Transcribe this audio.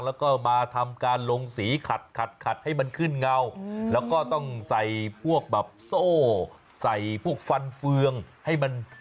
แล้วก็มาทำการลงสีขัดให้มันขึ้นเงา